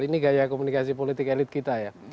ini gaya komunikasi politik elit kita ya